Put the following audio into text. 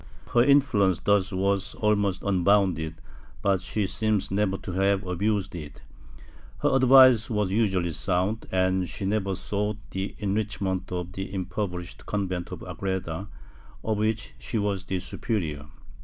Her influence thus was almost unbounded, but she seems never to have abused it; her advice was usually sound, and she never sought the enrich ment of the impoverished convent of Agreda, of which she was the superior.